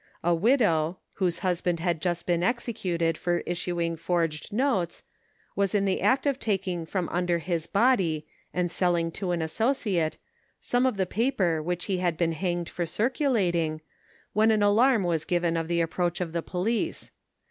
A widow, whose husband had just been executed for issuing forged notes, was in the act of taking from under his body and selling to an associate, some of the paper which he had been hanged for circulating, when an alarm was given of the approach of the police.